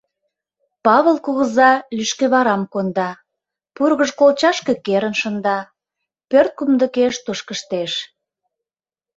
Павыл кугыза лӱшкеварам конда, пургыж колчашке керын шында, пӧрт кумдыкеш тошкыштеш.